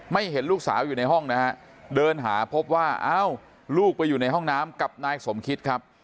เห็นลูกสาวอยู่ในห้องนะฮะเดินหาพบว่าอ้าวลูกไปอยู่ในห้องน้ำกับนายสมคิดครับ